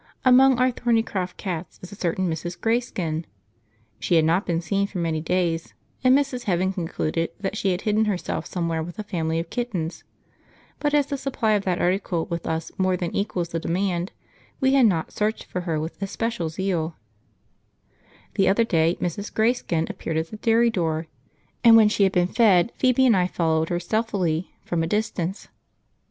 Among our Thornycroft cats is a certain Mrs. Greyskin. She had not been seen for many days, and Mrs. Heaven concluded that she had hidden herself somewhere with a family of kittens; but as the supply of that article with us more than equals the demand, we had not searched for her with especial zeal. {Phoebe and I followed her stealthily: p31.jpg} The other day Mrs. Greyskin appeared at the dairy door, and when she had been fed Phoebe and I followed her stealthily, from a distance.